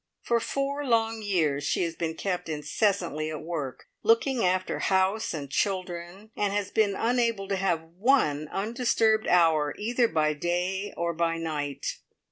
For four long years she has been kept incessantly at work, looking after house and children, and has been unable to have one undisturbed hour, either by day or by night.